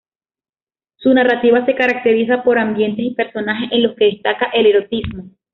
Su narrativa se caracteriza por ambientes y personajes en los que destaca el erotismo.